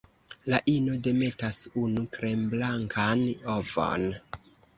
La ino demetas unu kremblankan ovon.